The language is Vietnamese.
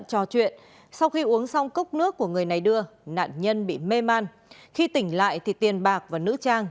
trò chuyện sau khi uống xong cốc nước của người này đưa nạn nhân bị mê man khi tỉnh lại thì tiền bạc và nữ trang